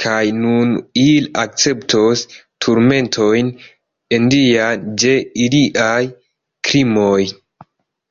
Kaj nun ili akceptos turmentojn, indajn je iliaj krimoj.